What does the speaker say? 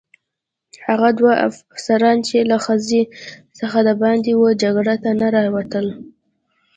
هغه دوه افسران چې له خزې څخه دباندې وه جګړې ته نه راوتل.